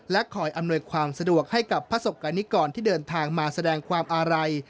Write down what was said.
คอยอำนวยความสะดวกให้กับพระศกกรณิกรที่เดินทางมาแสดงความอาลัย